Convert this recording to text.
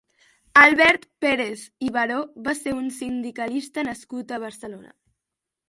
Albert Pérez i Baró va ser un sindicalista nascut a Barcelona.